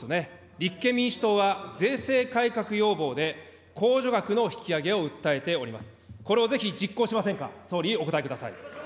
立憲民主党は、税制要望で控除額の引き上げを訴えております。